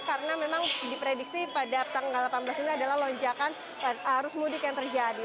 karena memang diprediksi pada tanggal delapan belas mei adalah lonjakan arus mudik yang terjadi